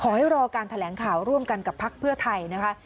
ขอให้รอการแถลงข่าวร่วมกันกับพักเพื่อไทยนะคะ